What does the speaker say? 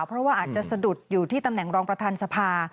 เพราะว่าอาจจะสะดุดอยู่ที่ตำแหน่งรองประธานสภา